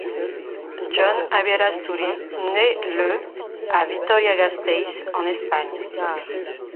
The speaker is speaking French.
Jon Aberasturi naît le à Vitoria-Gasteiz en Espagne.